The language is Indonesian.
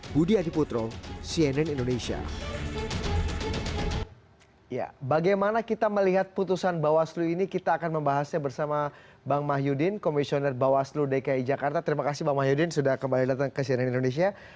budi adiputro cnn indonesia